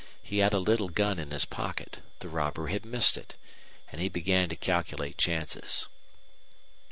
He had a little gun in his pocket. The robber had missed it. And he began to calculate chances.